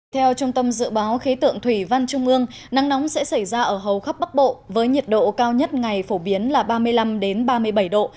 theo trung tâm dự báo khí tượng thủy văn trung ương nắng nóng sẽ xảy ra ở hầu khắp bắc bộ với nhiệt độ cao nhất ngày phổ biến là ba mươi năm ba mươi bảy độ